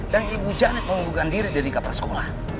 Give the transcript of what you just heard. dan ibu janet mengundurkan diri dari kapal sekolah